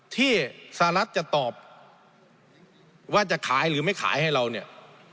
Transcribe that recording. ที่สหรัฐภาคพิเศษจะตอบที่จะขายหรือไม่ขายให้เราเนี่ย